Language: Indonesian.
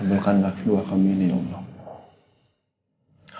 ambilkanlah kedua kami ini ya allah